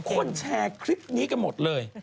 คนแชร์คลิปนี้กันหมดเลย